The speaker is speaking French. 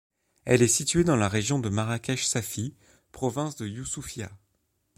Elle est située dans la région de Marrakech-Safi, province de Youssoufia.